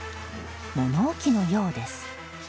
物置のようです。